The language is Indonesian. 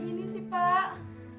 gini sih pak